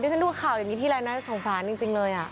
ดิฉันดูข่าวอย่างงี้ทีแล้วนะสงสารจริงเลย